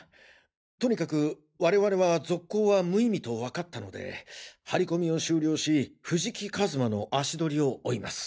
とにかく我々は続行は無意味とわかったので張り込みを終了し藤木一馬の足取りを追います。